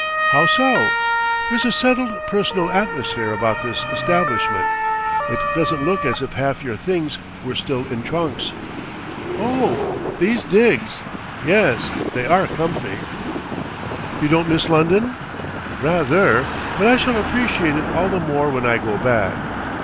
"How so?" "There's a settled, personal atmosphere about this establishment. It doesn't look as if half your things were still in trunks." "Oh, these digs! Yes, they are comfy." "You don't miss London?" "Rather! But I shall appreciate it all the more when I go back."